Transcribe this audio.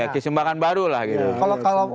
keseimbangan baru lah gitu